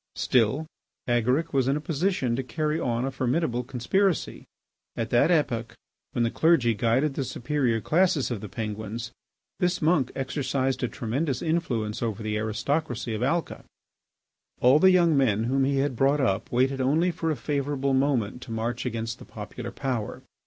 Still, Agaric was in a position to carry on a formidable conspiracy. At that epoch, when the clergy guided the superior classes of the Penguins, this monk exercised a tremendous influence over the aristocracy of Alca. All the young men whom he had brought up waited only for a favourable moment to march against the popular power.